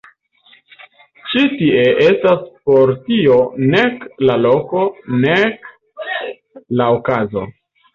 Ĉi tie estas por tio nek la loko, nek la okazo.